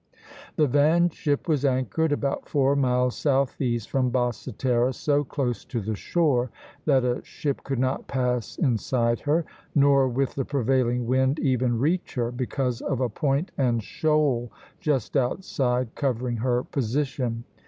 The van ship was anchored about four miles southeast from Basse Terre, so close to the shore that a ship could not pass inside her, nor, with the prevailing wind, even reach her, because of a point and shoal just outside, covering her position.